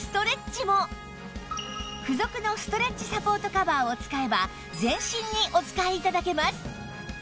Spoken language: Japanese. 付属のストレッチサポートカバーを使えば全身にお使い頂けます